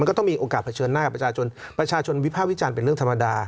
ก็ต้องมีโอกาสเผชิญหน้ากับประชาชนประชาชนวิภาควิจารณ์เป็นเรื่องธรรมดา